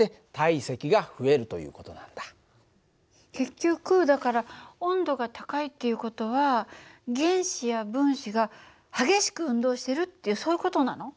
結局だから温度が高いっていう事は原子や分子が激しく運動してるってそういう事なの？